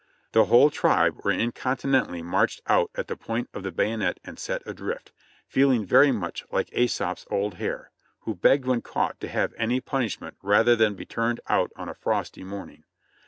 The whole tribe were incontinently marched out at the point of the bayonet and set adrift, feeling very much like Aesop's old hare, who begged when caught to have any punishment rather than be turned out on a frosty morning.